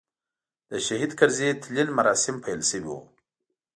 د شهید کرزي تلین مراسیم پیل شوي و.